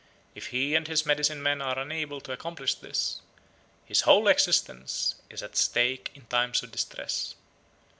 If he and his medicine men are unable to accomplish this, his whole existence is at stake in times of distress.